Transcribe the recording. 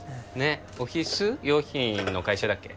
オフィス用品の会社だっけ？